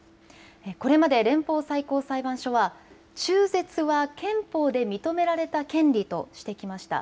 これまで連邦最高裁判所は中絶は憲法で認められた権利としてきました。